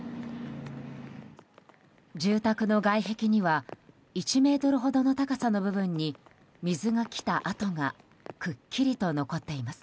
住宅の外壁には１ｍほどの高さの部分に水が来た跡がくっきりと残っています。